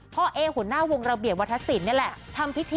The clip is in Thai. พ่อเอหัวหน้าวงระเบียบวัทธศิลป์เนี่ยแหละ